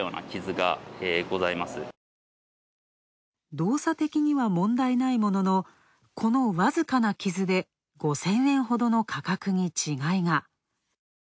動作的には問題ないもののこのわずかな傷で５０００円ほどの価格に違いが。